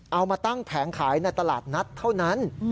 เอามาตั้งแผงขายในตลาดนัดเท่านั้น